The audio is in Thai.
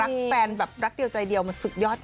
แฟนแบบรักเดียวใจเดียวมันสุดยอด